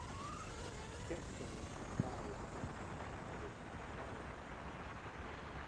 He kept saying 'Nah, Whiskers, that's not it, try again.